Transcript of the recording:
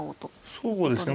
そうですね。